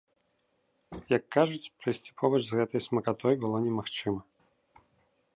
Як кажуць, прайсці побач з гэтай смакатой было немагчыма!